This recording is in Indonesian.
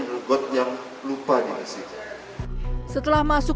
bg mengaku bau menyengat berasal dari selokan